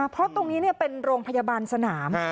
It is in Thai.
เพราะตรงนี้เป็นโรงพยาบาลสนาม